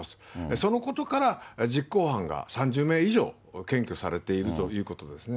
そのことから、実行犯が３０名以上、検挙されているということですね。